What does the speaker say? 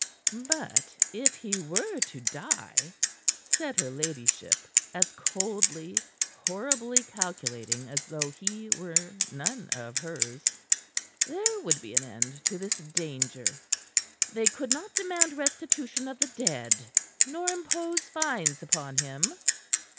"But if he were to die," said her ladyship, as coldly, horribly calculating as though he were none of hers, "there would be an end to this danger. They could not demand restitution of the dead, nor impose fines upon him."